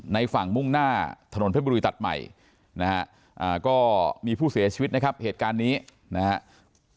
ฝั่งมุ่งหน้าถนนเพชรบุรีตัดใหม่นะฮะก็มีผู้เสียชีวิตนะครับเหตุการณ์นี้นะครับ